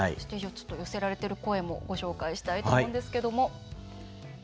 寄せられてる声もご紹介したいと思うんですけども。